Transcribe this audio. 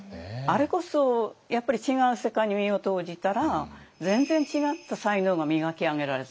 あれこそやっぱり違う世界に身を投じたら全然違った才能が磨き上げられたわけですよね。